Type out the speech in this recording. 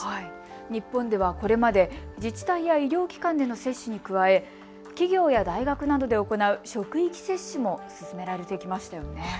日本ではこれまで自治体や医療機関での接種に加え企業や大学などで行う職域接種も進められてきましたよね。